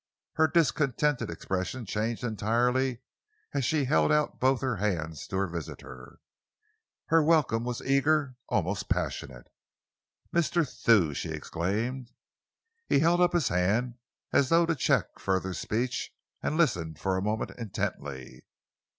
Her discontented expression changed entirely as she held out both her hands to her visitor. Her welcome was eager, almost passionate. "Mr. Thew!" she exclaimed. He held up his hand as though to check further speech, and listened for a moment intently.